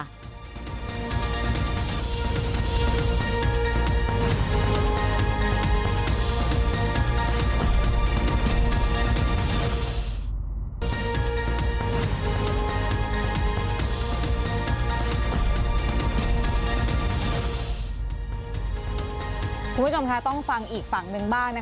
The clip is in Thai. คุณผู้ชมคะต้องฟังอีกฝั่งหนึ่งบ้างนะคะ